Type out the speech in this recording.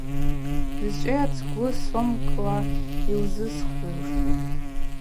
Дзачӏвыйа ацгвы сомшвкӏла йузызхвгӏуш.